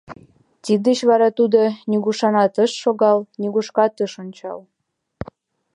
Тиддеч вара тудо нигушанат ыш шогал, нигушкат ыш ончал.